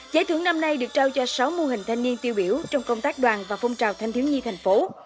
giải thưởng năm nay được trao cho sáu mô hình thanh niên tiêu biểu trong công tác đoàn và phong trào thanh thiếu nhi thành phố